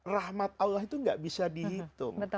rahmat allah itu gak bisa dihitung